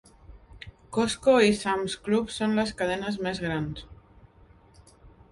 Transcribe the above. Costco i Sam's Club són les cadenes més grans.